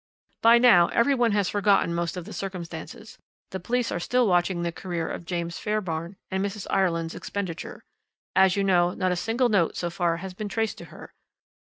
"By now every one has forgotten most of the circumstances; the police are still watching the career of James Fairbairn and Mrs. Ireland's expenditure. As you know, not a single note, so far, has been traced to her.